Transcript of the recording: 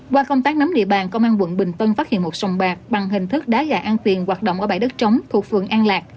qua công tác nắm địa bàn công an tp hcm phát hiện một sông bạc bằng hình thức đá gà an tiền hoạt động ở bãi đất trống thuộc vườn an lạc